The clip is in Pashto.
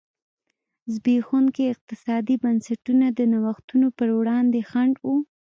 زبېښونکي اقتصادي بنسټونه د نوښتونو پر وړاندې خنډ و.